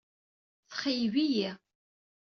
Txeyyeb-iyi.